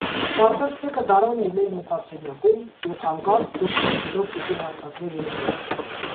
կարծես մեկը դարան լիներ մտած սենյակում և, հանկարծ դուրս պրծնելով պիտի հարձակվեր իր վրա: